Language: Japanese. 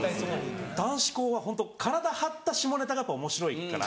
男子校はホント体張った下ネタがやっぱおもしろいから。